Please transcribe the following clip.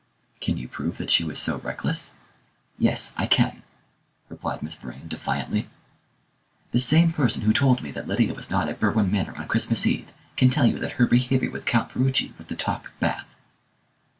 "Can you prove that she was so reckless?" "Yes, I can," replied Miss Vrain defiantly. "The same person who told me that Lydia was not at Berwin Manor on Christmas Eve can tell you that her behaviour with Count Ferruci was the talk of Bath."